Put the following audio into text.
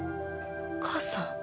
お母さん。